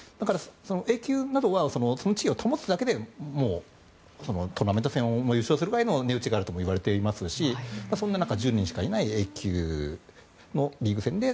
Ａ級などはその地位を保つだけでトーナメント戦を優勝するくらいの値打ちがあるといわれていますしそんな中、１０人しかいないＡ級のリーグ戦で